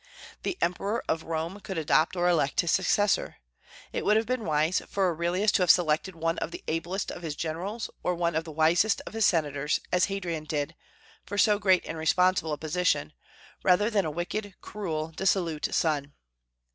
The Emperor of Rome could adopt or elect his successor. It would have been wise for Aurelius to have selected one of the ablest of his generals, or one of the wisest of his senators, as Hadrian did, for so great and responsible a position, rather than a wicked, cruel, dissolute son.